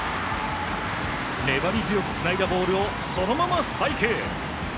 粘り強くつないだボールをそのままスパイク！